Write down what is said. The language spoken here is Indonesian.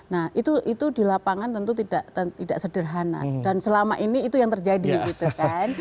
nah itu di lapangan tentu tidak sederhana dan selama ini itu yang terjadi gitu kan